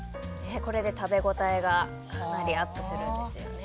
これで食べ応えがかなりアップするんですよね。